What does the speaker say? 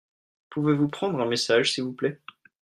Pouvez-vous prendre un message s'il vous plait ?